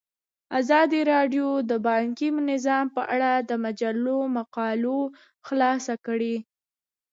ازادي راډیو د بانکي نظام په اړه د مجلو مقالو خلاصه کړې.